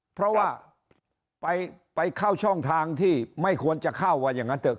เพราะว่าไปเข้าช่องทางที่ไม่ควรจะเข้าว่าอย่างนั้นเถอ